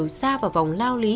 trong nhà đều ra vào vòng lao lý